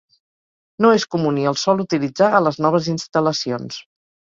No és comú ni el sol utilitzar a les noves instal·lacions.